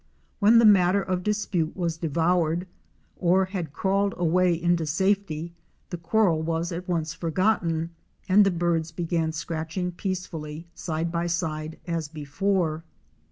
When the matter of dispute was devoured or had crawled away into safety, the quarrel was at once forgotten and the birds began scratch ing peacefully side by side as before.